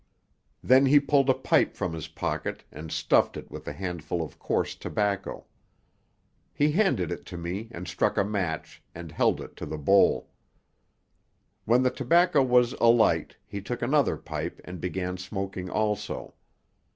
Then he pulled a pipe from his pocket and stuffed it with a handful of coarse tobacco. He handed it to me and struck a match and held it to the bowl. When the tobacco was alight he took another pipe and began smoking also.